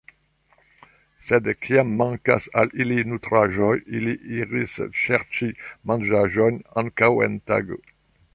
Sed kiam mankas al ili nutraĵoj, ili iras serĉi manĝaĵojn ankaŭ en tago.